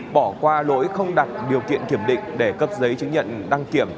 bỏ qua lỗi không đặt điều kiện kiểm định để cấp giấy chứng nhận đăng kiểm